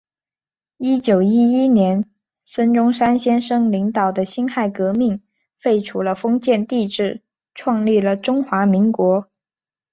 一九一一年孙中山先生领导的辛亥革命，废除了封建帝制，创立了中华民国。